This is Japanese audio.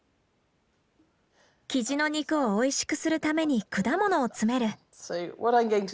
キジの肉をおいしくするために果物を詰める。